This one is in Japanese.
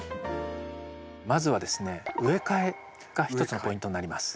まずはですね植え替えが一つのポイントになります。